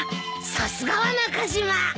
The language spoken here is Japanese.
さすがは中島！